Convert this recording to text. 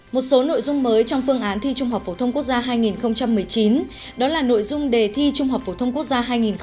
một số nội dung mới trong phương án thi trung học phổ thông quốc gia hai nghìn một mươi chín đó là nội dung đề thi trung học phổ thông quốc gia hai nghìn hai mươi